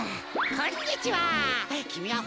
こんにちは！